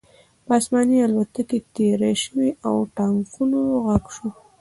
په آسمان الوتکې تېرې شوې او د ټانکونو غږ شو